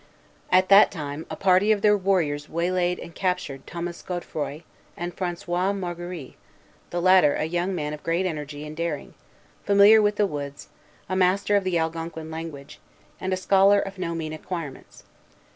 At that time, a party of their warriors waylaid and captured Thomas Godefroy and François Marguerie, the latter a young man of great energy and daring, familiar with the woods, a master of the Algonquin language, and a scholar of no mean acquirements.